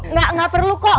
nggak perlu kok